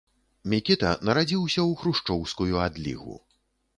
Мікіта нарадзіўся ў хрушчоўскую адлігу.